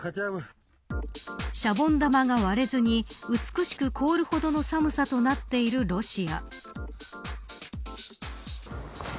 シャボン玉が割れずに美しく凍るほどの寒さとなっているロシア。